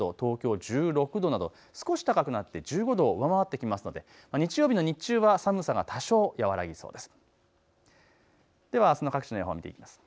特に日中の最高気温千葉や横浜は１７度、東京１６度など少し高くなって１５度を上回ってきますので、日曜日の日中は寒さが多少和らぎそうです。